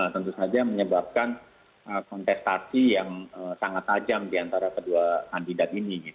tentu saja menyebabkan kontestasi yang sangat tajam diantara kedua kandidat ini